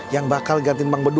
yang bakal ganti bang bedu